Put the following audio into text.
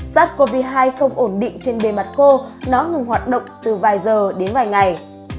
sars cov hai không ổn định trên bề mặt khô nó ngừng hoạt động từ vài giờ đến vài ngày